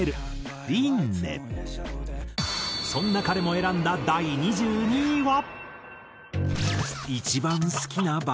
そんな彼も選んだ第２２位は。